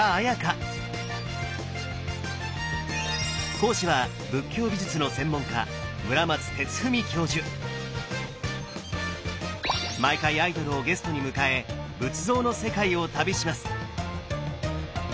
講師は仏教美術の専門家毎回アイドルをゲストに迎え仏像の世界を旅します！